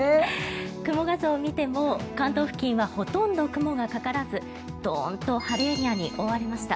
雲画像を見ても関東付近はほとんど雲がかからずドーンと晴れエリアに覆われました。